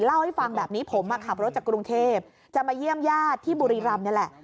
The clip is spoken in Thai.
เล่าให้ฟังแบบนี้ผมขับรถจากกรุงเทพจะมาเยี่ยมญาติที่บุรีรำนี่แหละ